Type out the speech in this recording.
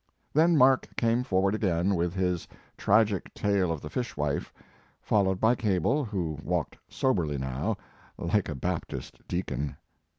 Then Mark came forward again with his Tragic Tale of the Fishwife," followed by Cable, who walked soberly now, like a Baptist dea con.